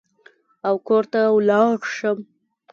او کور ته ولاړ شم.